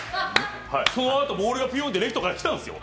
そのあとボールがぷよんってレフトから来たんですよ。